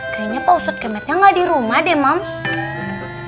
kayaknya pak ustadz kemetnya gak di rumah deh moms